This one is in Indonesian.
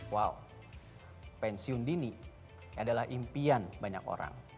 wow pensiun dini adalah impian banyak orang